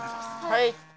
はい。